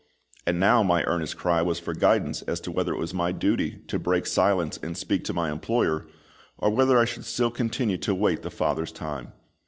And now my earnest cry was for guidance as to whether it was my duty to break silence and speak to my employer, or whether I should still continue to wait the FATHER's time.